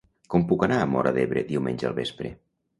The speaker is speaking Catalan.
Com puc anar a Móra d'Ebre diumenge al vespre?